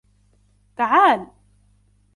تعال!